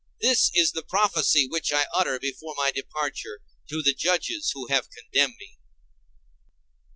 This is the prophecy which I utter before my departure, to the judges who have condemned me.